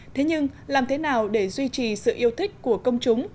thế nhưng làm thế nào để duy trì sự yêu thích của công chúng